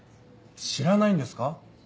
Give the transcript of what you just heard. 知らないんですか？